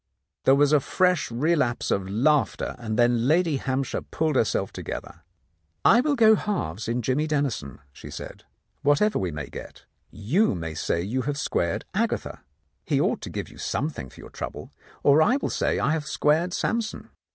There was a fresh relapse of laughter, and then Lady Hampshire pulled herself together. "I will go halves in Jimmy Dennison," she said, "whatever we may get. You may say you have squared Agatha. He ought to give you something for your trouble. Or I will say I have squared Sampson."